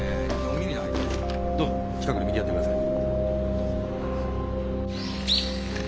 どうぞ近くで見てやってください。